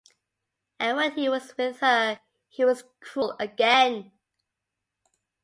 And when he was with her he was cruel again.